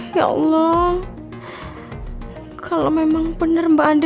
cuma sayangnya gak punya bukti